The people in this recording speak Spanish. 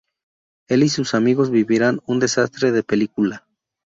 Él y sus amigos vivirán un desastre de película.